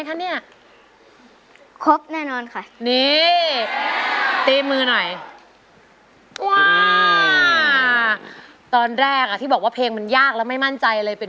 ท่านยังยิ้มเสมอ